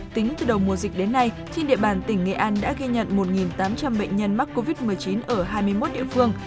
tính từ đầu mùa dịch đến nay trên địa bàn tỉnh nghệ an đã ghi nhận một tám trăm linh bệnh nhân mắc covid một mươi chín ở hai mươi một địa phương